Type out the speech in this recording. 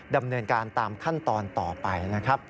ดำเนินการตามขั้นตอนต่อไป